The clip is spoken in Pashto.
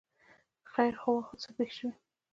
ـ خیر خو وو، څه پېښه شوې؟